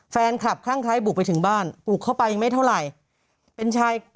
แฟนคลับข้างไทยบุกไปถึงบ้าน